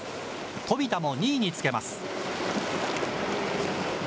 富田も２位につけます。